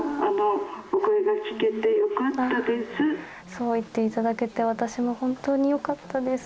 そう言っていただけて、私も本当によかったです。